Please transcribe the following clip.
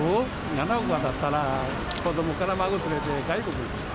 ７億当たったら、子どもから孫連れて、外国に。